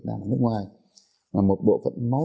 từ hai cái đất nước này